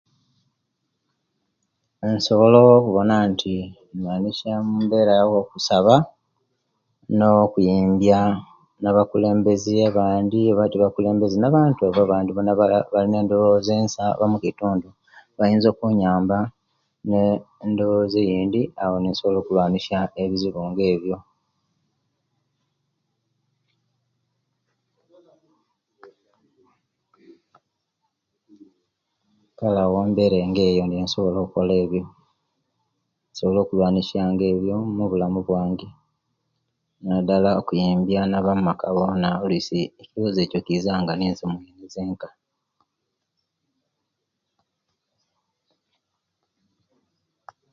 Nsobola okuwona nti indwanisya embera mu'kusaba no kuyimbya nabakulembeze abandi oba tebakulembeze ne'bantu abalina endoboza ensa mukitundu bayinza okunyamba, ne endoboza eyindi awo nisobola okulwanisya ebizibu nga ebyo kale awo endoboza nga eyo nensobola ebyo nsobola okulwanisya ebyo mubulamu bwange nadala okuyimbya na'bamumaka bona oluisi ekizibu ekyo kiza nga ninze omweiza zenka.